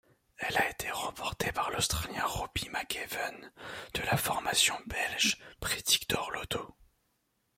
Elle a été remportée par l'Australien Robbie McEwen de la formation belge Predictor-Lotto.